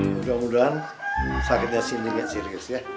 mudah mudahan sakitnya cindy nggak serius ya